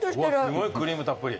すごいクリームたっぷり。